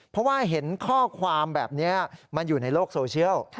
เพราะว่าเห็นข้อความแบบนี้มันอยู่ในโลกโซเชียล